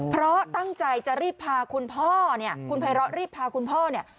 เพราะตั้งใจจะรีบพาคุณพ่อเนี่ยคุณไพร้อรีบพาคุณพ่อเนี่ย